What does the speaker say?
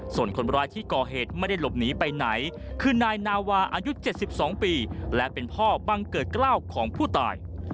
ส่วนคนร้ายที่ก่อเหตุไม่ได้หลบหนีไปไหนคือนายนาวาอายุ๗๒ปีและเป็นพ่อบังเกิดกล้าวของผู้ตาย